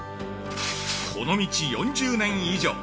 この道４０年以上。